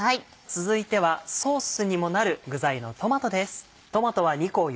続いてはソースにもなる具材のトマトです。